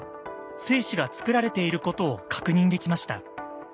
精子がつくられていることを確認できました。